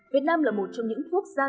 việt nam là một trong những quốc gia